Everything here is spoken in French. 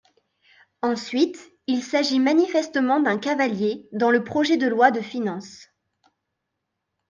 Ensuite, il s’agit manifestement d’un cavalier dans le projet de loi de finances.